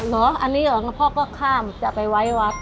อันนี้เหรอพ่อก็ข้ามจะไปไว้วัด